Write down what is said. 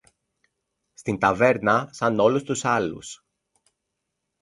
Στην ταβέρνα, σαν όλους τους άλλους.